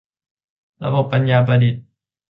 ระบบปัญญาประดิษฐ์